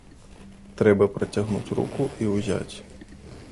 Трэба працягнуць руку і ўзяць.